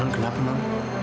nuan kenapa nuan